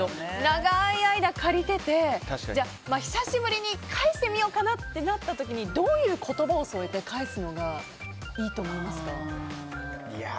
長い間、借りてて久しぶりに返してみようかなってなった時にどういう言葉を添えて返すのがいいと思いますか？